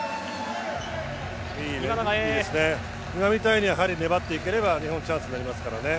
今みたいに粘っていければ日本はチャンスになりますからね。